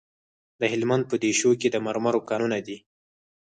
د هلمند په دیشو کې د مرمرو کانونه دي.